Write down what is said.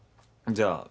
じゃあ。